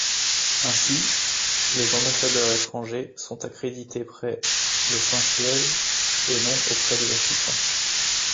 Ainsi, les ambassadeurs étrangers sont accrédités près le Saint-Siège et non auprès du Vatican.